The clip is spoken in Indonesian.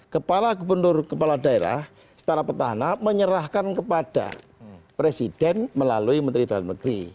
kepala gubernur kepala daerah setara petahana menyerahkan kepada presiden melalui menteri dalam negeri